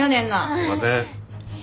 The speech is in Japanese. すいません。